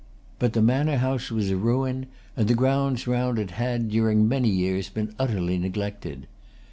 But the manor house was a ruin; and the grounds round it had, during many years, been utterly neglected.